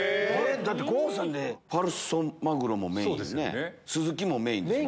だって郷さんファルソマグロもメインスズキもメインですね。